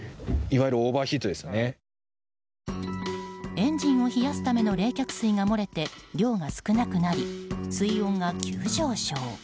エンジンを冷やすための冷却水が漏れて量が少なくなり、水温が急上昇。